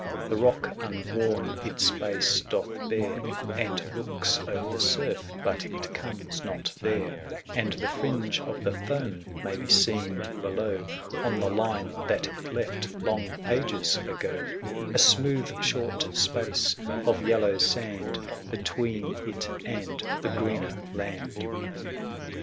25 The rock unworn its base doth bare, And looks o'er the surf, but it conies not there; 390 And the fringe of the foam may be seen below, On the line that it left long ages ago : A smooth short space of yellow sand Between it and the greener land.